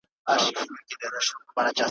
بیا هم ته نه وې لالا ,